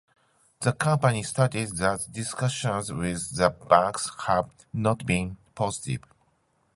The company stated that discussions with the banks have "not been positive".